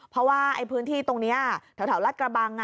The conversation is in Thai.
เพราะว่าพื้นที่ตรงนี้แถวรัฐกระบัง